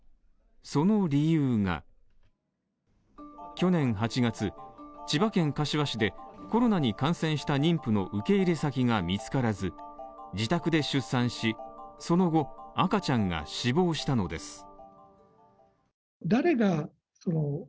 その理由が去年８月、千葉県柏市でコロナに感染した妊婦の受け入れ先が見つからず、自宅で出産し、その後赤ちゃんが死亡したのです。